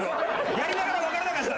やりながらわからなかった。